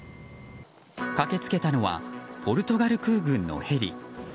駆け付けたのはポルトガル空軍のヘリ。